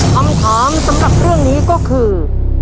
คำถามสำหรับเรื่องนี้ก็คือ